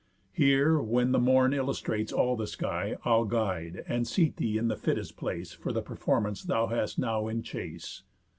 Here, when the morn illustrates all the sky, I'll guide, and seat thee in the fittest place For the performance thou hast now in chace.